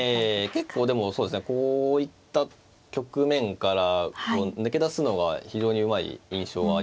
結構でもそうですねこういった局面から抜け出すのは非常にうまい印象はありますね。